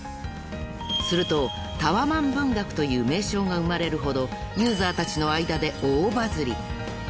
［するとタワマン文学という名称が生まれるほどユーザーたちの間で大バズり］